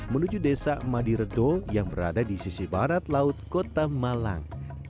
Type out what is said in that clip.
menuju desa madiredo yang berada di sisi barat laut kota malang